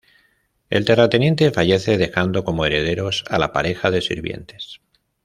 El terrateniente fallece, dejando como herederos a la pareja de sirvientes.